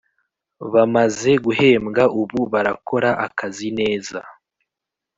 Bamaze guhembwa ubu barakora akazi neza